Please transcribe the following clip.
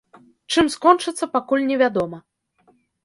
Чым скончыцца, пакуль невядома.